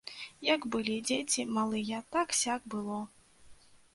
Як былі дзеці малыя так-сяк было.